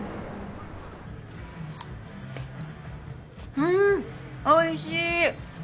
うんおいしい！